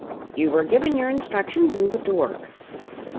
You were given your instructions and put to work.